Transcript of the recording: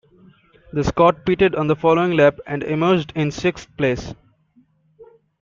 The Scot pitted on the following lap and emerged in sixth place.